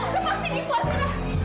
lepasin ibu amira